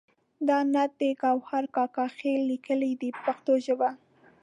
دا نعت د ګوهر کاکا خیل لیکلی دی په پښتو ژبه.